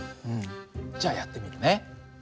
じゃあやってみるね。